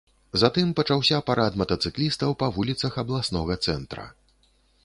Затым пачаўся парад матацыклістаў па вуліцах абласнога цэнтра.